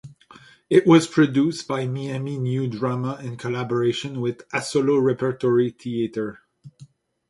It was produced by Miami New Drama in collaboration with Asolo Repertory Theatre.